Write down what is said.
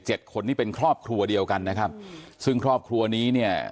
คนนี่เป็นครอบครัวเดียวกันนะครับซึ่งครอบครัวนี้เนี่ย